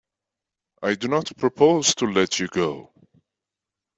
I do not propose to let you go.